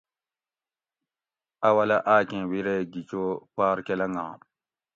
اولہ اکیں بِیرے گھی چو پار کہ لنگام